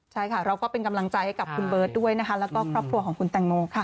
ใช่ค่ะเราก็เป็นกำลังใจให้กับคุณเบิร์ตด้วยนะคะแล้วก็ครอบครัวของคุณแตงโมค่ะ